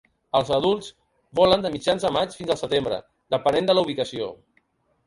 Els adults volen de mitjans de maig fins al setembre, depenent de la ubicació.